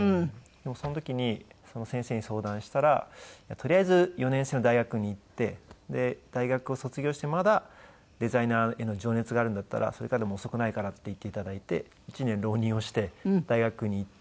でもその時にその先生に相談したら「とりあえず４年制の大学に行ってで大学を卒業してまだデザイナーへの情熱があるんだったらそれからでも遅くないから」って言って頂いて１年浪人をして大学に行って。